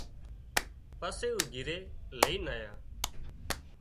پسي اُو گھرِي لئينَ آيان